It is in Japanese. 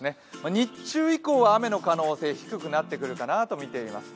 日中以降は雨の可能性低くなってくるかなと見ています。